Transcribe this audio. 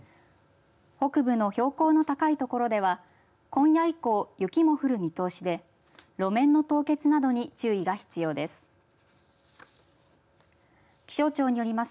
北部の標高の高い所では今夜以降、雪も降る見通しで路面の凍結などに注意が必要です。